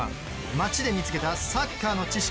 街で見つけたサッカーの知識